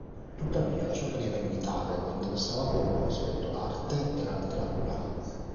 Tuttavia la sua carriera militare lo interessava poco rispetto l'arte e la letteratura.